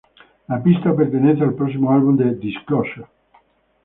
La pista pertenece al próximo álbum de Disclosure.